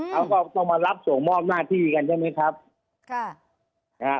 เขาก็ต้องมารับส่งมอบหน้าที่กันใช่ไหมครับค่ะนะฮะ